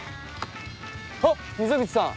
あっ溝口さん！